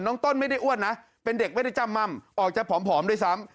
ต้นไม่ได้อ้วนนะเป็นเด็กไม่ได้จ้ำม่ำออกจะผอมด้วยซ้ำ